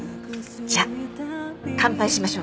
じゃあ乾杯しましょうか。